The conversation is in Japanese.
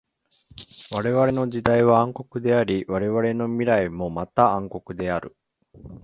われわれの現在は暗黒であり、われわれの未来もまた暗黒である。